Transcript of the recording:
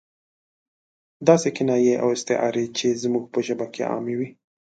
داسې کنایې او استعارې چې زموږ په ژبه کې عامې وي.